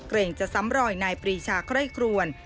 จะซ้ำรอยนายปรีชาไคร่ครวน